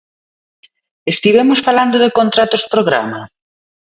¿Estivemos falando de contratos programa?